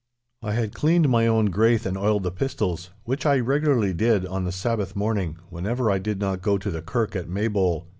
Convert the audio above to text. I had cleaned my own graith and oiled the pistols—which I regularly did on the Sabbath morning whenever I did not go to the kirk at Maybole.